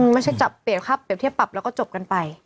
ไม่ใช่จับเปรียบค่าเปรียบเทียบปรับแล้วก็จบกันไป